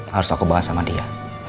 harus aku bahas sama dia